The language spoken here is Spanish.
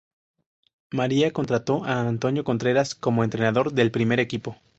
María contrató a Antonio Contreras como entrenador del primer equipo.